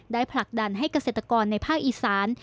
ผลักดันให้เกษตรกรในภาคอีสาน